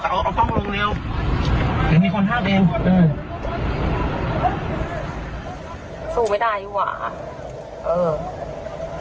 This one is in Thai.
เอาเอาเอาเอาลงเร็วจะมีคนห้าเป็นเออสู้ไม่ได้หรอเออ